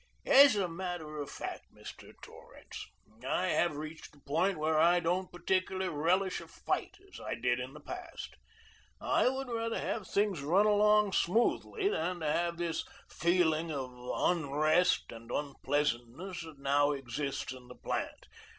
"As a matter of fact, Mr. Torrance, I have reached the point where I don't particularly relish a fight, as I did in the past. I would rather have things run along smoothly than to have this feeling of unrest and unpleasantness that now exists in the plant.